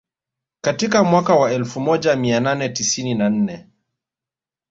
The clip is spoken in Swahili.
Katika mwaka wa elfu moja mia nane tisini na nne